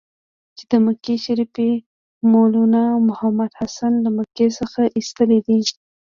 چې د مکې شریف مولنا محمودحسن له مکې څخه ایستلی دی.